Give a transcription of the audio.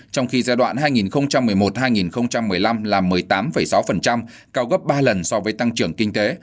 trong khi giai đoạn hai nghìn một mươi một hai nghìn một mươi năm là một mươi tám sáu cao gấp ba lần so với tăng trưởng kinh tế